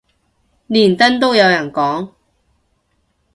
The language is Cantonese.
連登都有人講